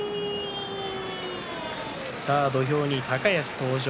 土俵に高安登場。